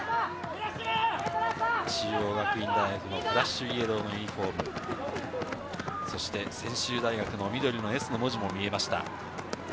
中央学院大学のフラッシュイエローのユニホーム、そして専修大学の緑のＳの文字も見えました。